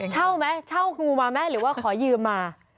เช่าไหมเช่าครูมาไหมหรือว่าขอยืมมา